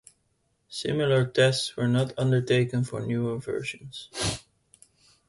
Similar tests were not undertaken for newer versions.